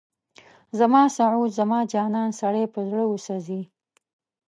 زما سعود، زما جانان، سړی په زړه وسوځي